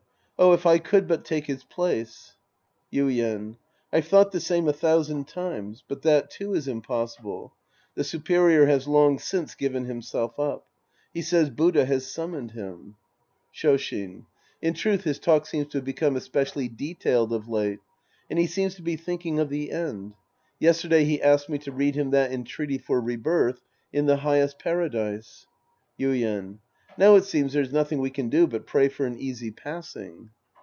Oh, if I could but take his place ! Yuien. I've thought the same a thousand times. But that, too, is impossible. The superior has long since given himself up. He says Buddha has sum moned him. Sc. I The Priest and His Disciples 219 Shoshin. In truth his talk seems to have become especially detailed of late. And he seems to be tliinking of the end. Yesterday he asked me to read him that entreaty for rebirth in the highest Paradise. Yuien. Now it seems there's nothing we can do but pray for an easy passing.